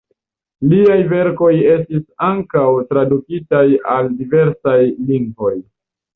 Liaj verkoj estis ankaŭ tradukitaj al diversaj lingvoj.